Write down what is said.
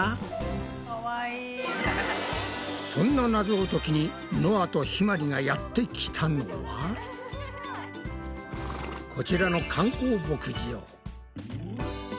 そんなナゾを解きにのあとひまりがやってきたのはこちらの観光牧場！